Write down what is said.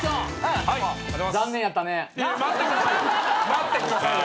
待ってくださいよ。